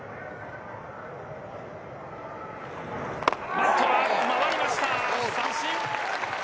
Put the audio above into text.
バットは回りました、三振。